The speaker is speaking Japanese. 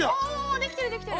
◆できてるできてる。